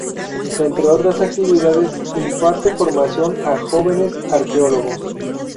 Entre otras actividades, imparte formación a jóvenes arqueólogos.